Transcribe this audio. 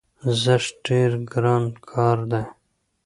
زښت ډېر ګران کار دی،